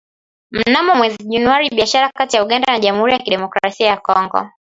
Mnamo mwezi Januari biashara kati ya Uganda na jamhuri ya kidemokrasia ya Kongo